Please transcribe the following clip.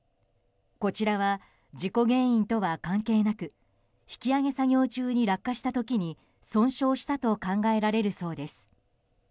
こちらは事故原因とは関係なく引き揚げ作業中に落下した時に損傷したと考えられるそうです。